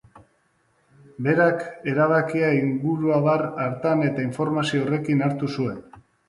Berak erabakia inguruabar hartan eta informazio horrekin hartu zuen.